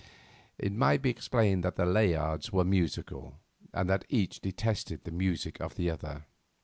It may be explained that the Layards were musical, and that each detested the music of the other.